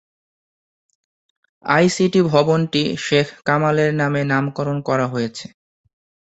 ICT ভবনটি শেখ কামালের নামে নামকরণ করা হয়েছে।